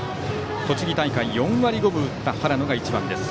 栃木大会４割５分打った原野が１番です。